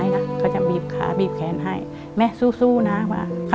ลูก